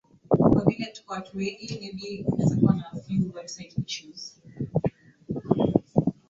ya mawaziri kumi na moja kutoka helzbolla